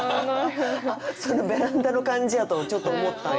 あっそのベランダの感じやとちょっと思ったんや。